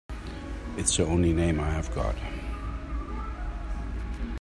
It's the only name I've got.